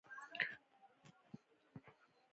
ما د شپنو، غوبنو، خټګرو او بزګرو له څېرو سواد زده کړ.